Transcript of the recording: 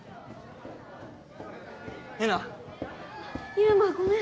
悠真ごめん。